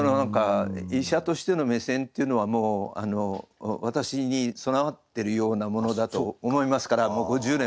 医者としての目線っていうのはもう私に備わってるようなものだと思いますからもう５０年。